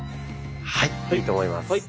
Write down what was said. はいいいと思います。